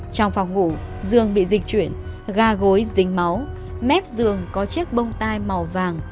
trong phòng ngủ dương bị dịch chuyển ga gối dính máu mép giường có chiếc bông tai màu vàng